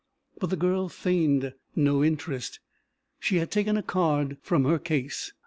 But the girl feigned no interest. She had taken a card from her case.